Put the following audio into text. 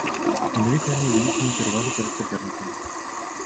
Менавіта яны і даюць яму перавагу перад сапернікамі.